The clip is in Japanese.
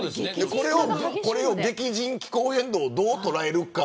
これを、激甚気候変動をどう捉えるか。